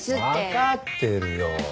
わかってるよ。